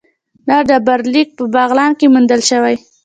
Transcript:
دا ډبرلیک په بغلان کې موندل شوی